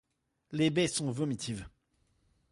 Les baies sont vomitives.